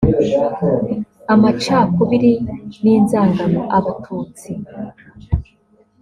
amacakubiri n’inzangano Abatutsi